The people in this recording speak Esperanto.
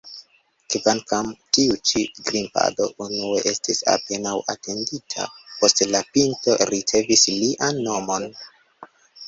Kvankam tiu-ĉi grimpado unue estis apenaŭ atendita, poste la pinto ricevis lian nomon.